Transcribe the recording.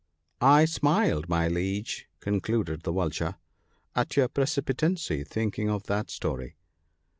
I smiled, my Liege," concluded the Vulture, " at your precipitancy, thinking of that story."